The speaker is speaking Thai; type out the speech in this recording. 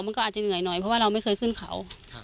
มันก็อาจจะเหนื่อยหน่อยเพราะว่าเราไม่เคยขึ้นเขา